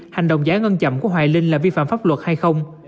hành động giải ngân chậm của hoài linh là vi phạm pháp luật hay không